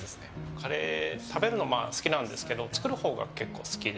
カレー食べるのも好きなんですけど作るほうが結構好きで。